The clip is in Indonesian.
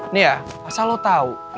ini ya asal lo tau